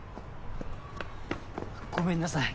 ごめんなさい。